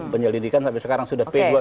penyelidikan sampai sekarang sudah p dua puluh